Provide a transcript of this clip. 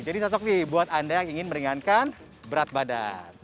jadi cocok nih buat anda yang ingin meringankan berat badan